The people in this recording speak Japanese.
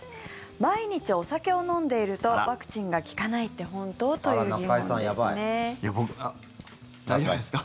毎日お酒を飲んでいるとワクチンが効かないって本当？という疑問ですね。